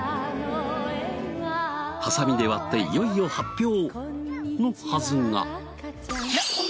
ハサミで割っていよいよ発表！のはすが。